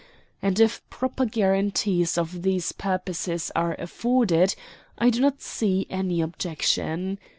"And if proper guarantees of these purposes are afforded, I do not see any objection.